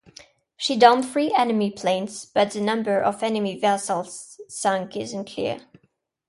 She downed three enemy planes, but the number of enemy vessels sunk is unclear.